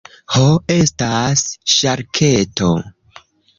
Ho estas ŝarketo.